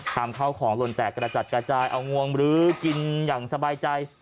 ทำเข้าของหล่นแตกกระจัดกระจายเอางวงลื้อกินอย่างสบายใจ